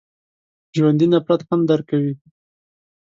ژوندي نفرت هم درک کوي